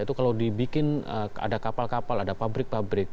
itu kalau dibikin ada kapal kapal ada pabrik pabrik